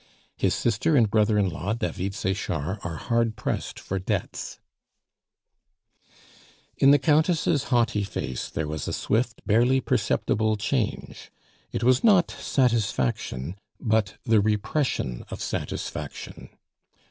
His sister and brother in law, David Sechard, are hard pressed for debts." In the Countess' haughty face there was a swift, barely perceptible change; it was not satisfaction, but the repression of satisfaction.